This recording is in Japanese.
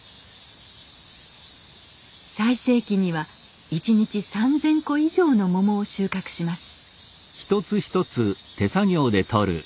最盛期には１日３，０００個以上のモモを収穫します。